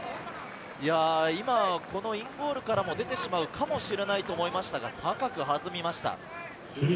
インゴールから出てしまうかもしれないと思いましたが、高く始めました。